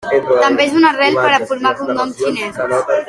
També és una arrel per a formar cognoms xinesos.